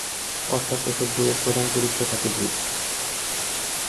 অর্থাৎ এসব বইয়ের প্রধান চরিত্র থাকে ভূত।